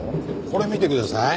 これ見てください。